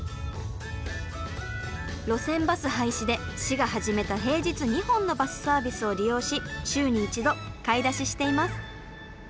路線バス廃止で市が始めた平日２本のバスサービスを利用し週に１度買い出ししています。